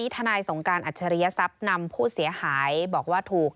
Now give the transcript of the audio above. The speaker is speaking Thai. ทนายสงการอัจฉริยทรัพย์นำผู้เสียหายบอกว่าถูก